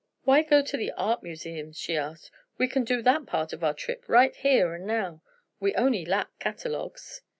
"Why go to the art museums?" she asked, "we can do that part on our trip right here and now; we only lack catalogues."